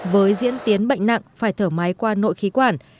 với diễn tiến bệnh nặng phải thở máy qua nội khí quản